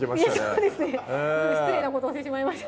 そうですね失礼なことをしてしまいました